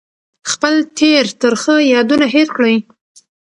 خپل تېر ترخه یادونه هېر کړئ.